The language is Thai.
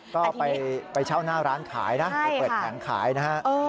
ก็ไปเช่าหน้าร้านขายนะไปเปิดแผงขายนะฮะ